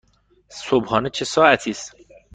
صبحانه چه ساعتی است؟